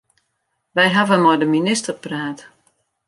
Wy hawwe mei de minister praat.